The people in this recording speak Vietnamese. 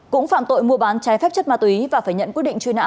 cũng phạm tội mua bán trái phép chất ma túy và phải nhận quyết định truy nã